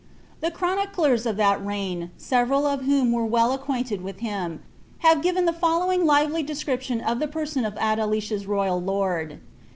' The chroniclers of that rfign, several of whom verc well acqmiDtiJ with him, hate given the following lively description of the person rf Adelicia's royal lord.